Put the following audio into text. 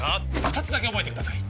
二つだけ覚えてください